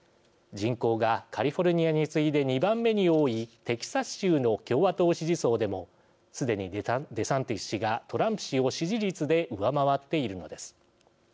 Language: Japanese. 人口がカリフォルニアに次いで２番目に多いテキサス州の共和党支持層でもすでにデサンティス氏がトランプ氏を支持率で上回っているのです。